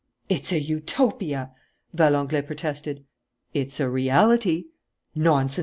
"It's a Utopia," Valenglay protested. "It's a reality." "Nonsense!